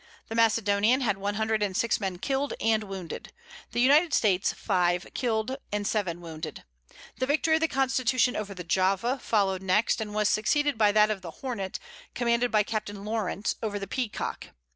The Macedonian had one hundred and six men killed and wounded. The United States five killed and seven wounded. The Victory of the Constitution over the Java, followed next, and was succeeded by that of the Hornet, commanded by Captain Lawrence, over the Peacock.